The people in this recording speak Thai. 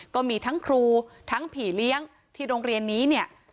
ก็มีทั้งครูทั้งผีเลี้ยงที่โรงเรียนนี้เนี่ย